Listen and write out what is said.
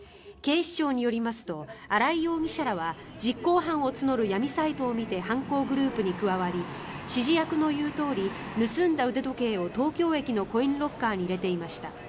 警視庁によりますと荒井容疑者らは実行犯を募る闇サイトを見て犯行グループに加わり指示役の言うとおり盗んだ腕時計を東京駅のコインロッカーに入れていました。